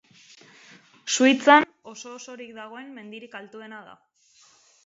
Suitzan oso-osorik dagoen mendirik altuena da.